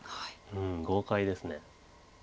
豪快です。